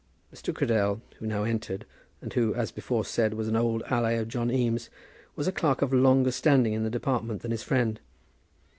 Mr. Cradell, who now entered, and who, as before said, was an old ally of John Eames, was a clerk of longer standing in the department than his friend.